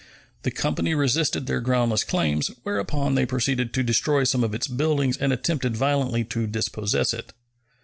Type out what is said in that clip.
The company resisted their groundless claims, whereupon they proceeded to destroy some of its buildings and attempted violently to dispossess it.